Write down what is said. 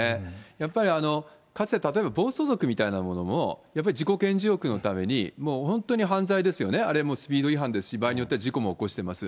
やっぱり、かつて例えば暴走族みたいなものも、やっぱり自己顕示欲のために、本当に犯罪ですよね、あれもスピード違反ですし、場合によっては事故も起こしてます。